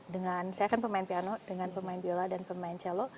dengan saya kan pemain piano dengan pemain biola dan pemain celo